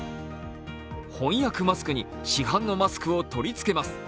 翻訳マスクに市販のマスクを取り付けます。